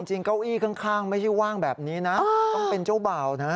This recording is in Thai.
เก้าอี้ข้างไม่ใช่ว่างแบบนี้นะต้องเป็นเจ้าบ่าวนะ